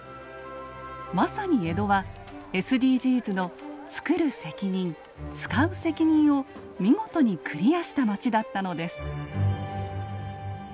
まさに江戸はＳＤＧｓの「つくる責任つかう責任」を見事にクリアした街だったのです。